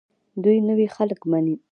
دوی نوي خلک مني.